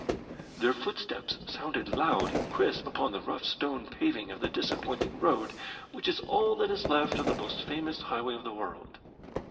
Their footsteps sounded loud and crisp upon the rough stone paving of the disappointing road which is all that is left of the most famous highway of the world.